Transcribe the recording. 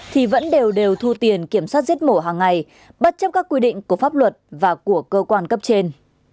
thì vẫn đều đều thu tiền kiểm soát giết mổ hàng ngày bất chấp các quy định của pháp luật và của cơ quan cấp trên